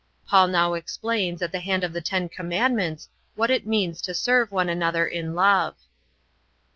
Paul now explains at the hand of the Ten Commandments what it means to serve one another in love.